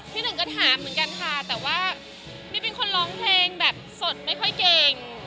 หนึ่งก็ถามเหมือนกันค่ะแต่ว่านี่เป็นคนร้องเพลงแบบสดไม่ค่อยเก่ง